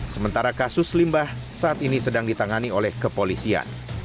sementara kasus limbah saat ini sedang ditangani oleh kepolisian